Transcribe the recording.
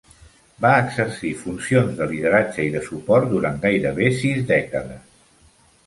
Va exercir funcions de lideratge i de suport durant gairebé sis dècades.